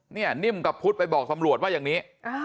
นี่นิ่มกับพุทธไปบอกตำรวจว่าอย่างนี้